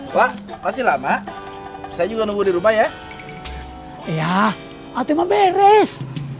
pak masih lama saya juga nunggu di rumah ya iya atau beres